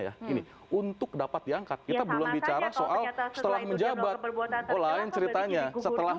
ya ini untuk dapat diangkat kita belum bicara soal setelah menjabat oh lain ceritanya setelah